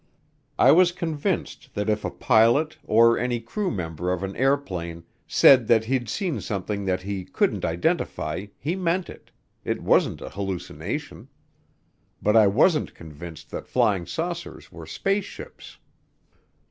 I was convinced that if a pilot, or any crew member of an airplane, said that he'd seen something that he couldn't identify he meant it it wasn't a hallucination. But I wasn't convinced that flying saucers were spaceships.